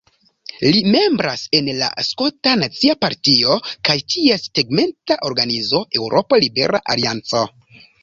Li membras en la Skota Nacia Partio kaj ties tegmenta organizo Eŭropa Libera Alianco.